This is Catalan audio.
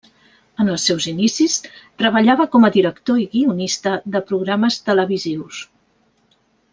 En els seus inicis, treballava com a director i guionista de programes televisius.